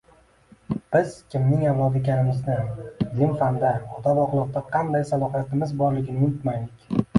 Biz kimning avlodi ekanimizni, ilm-fanda, odob-axloqda qanday salohiyatimiz borligini unutmaylik.